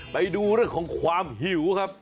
ไปดูเรื่องของความหิวครับ